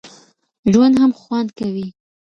ژوند هم خوند کوي.